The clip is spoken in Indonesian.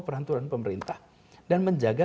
peraturan pemerintah dan menjaga